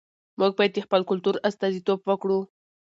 موږ بايد د خپل کلتور استازیتوب وکړو.